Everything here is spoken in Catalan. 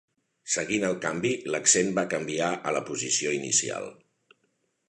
Seguint el canvi, l'accent va canviar a la posició inicial.